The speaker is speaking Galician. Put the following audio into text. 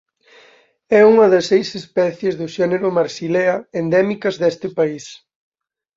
É unha das seis especies do xénero "Marsilea" endémicas deste país.